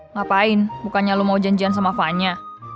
ngapain bukannya lo mau janjian sama fanya